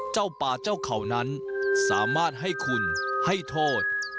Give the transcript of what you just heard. เจ้าป่าเจ้าเขานั้นสามารถให้คุณให้โทษ